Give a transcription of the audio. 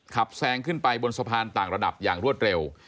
แซงขึ้นไปบนสะพานต่างระดับอย่างรวดเร็ว